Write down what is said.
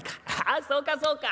ああそうかそうか。